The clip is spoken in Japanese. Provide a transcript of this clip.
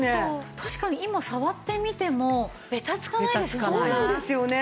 確かに今触ってみてもベタつかないですよね。